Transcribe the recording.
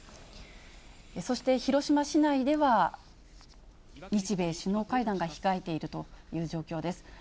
そして、広島市内では、日米首脳会談が控えているという状況です。